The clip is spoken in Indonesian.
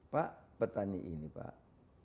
pak petani ini pak